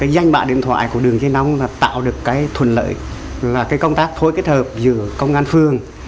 danh bạ điện thoại của đường dây nóng là tạo được thuận lợi là công tác phối kết hợp giữa công an phường